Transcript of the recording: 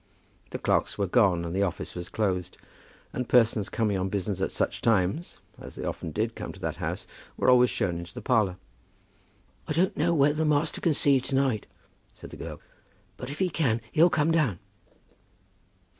The clerks were gone, and the office was closed; and persons coming on business at such times, as they often did come to that house, were always shown into the parlour. "I don't know whether master can see you to night," said the girl; "but if he can, he'll come down."